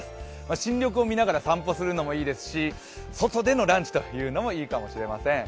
新緑を見ながら散歩するのもいいですし外でのランチもいいかもしれません。